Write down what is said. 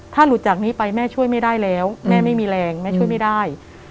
ถ้าหลุดจากนี้ไปแม่ช่วยไม่ได้แล้วแม่ไม่มีแรงแม่ช่วยไม่ได้